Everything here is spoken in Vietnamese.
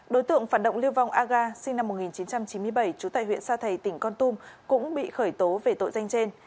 đối tượng phản động lưu vong aga sinh năm một nghìn chín trăm chín mươi bảy trú tại huyện sa thầy tỉnh con tum cũng bị khởi tố về tội danh trên